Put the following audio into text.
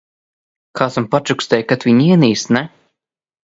Kāds man pačukstēja ka tu viņu ienīsti ne?